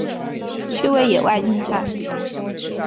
趣味野外竞赛。